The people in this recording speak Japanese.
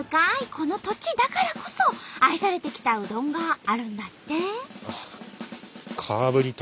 この土地だからこそ愛されてきたうどんがあるんだって。